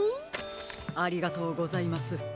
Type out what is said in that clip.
ありがとうございます。